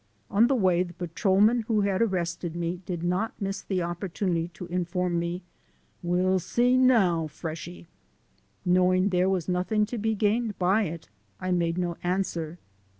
On the way the patrolman who had arrested me did not miss the opportunity to inform me, "We'll see now, freshy." Knowing there was nothing to be gained by it, I made no answer.